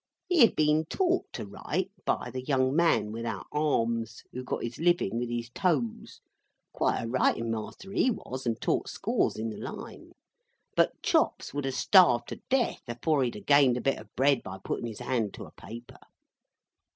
He had been taught to write, by the young man without arms, who got his living with his toes (quite a writing master he was, and taught scores in the line), but Chops would have starved to death, afore he'd have gained a bit of bread by putting his hand to a paper.